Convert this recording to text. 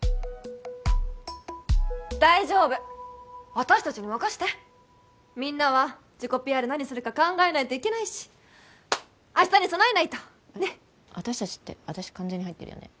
大丈夫私達に任せてみんなは自己ＰＲ何するか考えないといけないし明日に備えないとねっ「私達」って私完全に入ってるよね